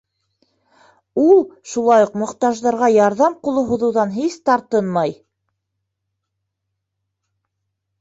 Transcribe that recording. Ул шулай уҡ мохтаждарға ярҙам ҡулы һуҙыуҙан һис тартынмай.